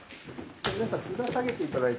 皆さん札下げていただいて。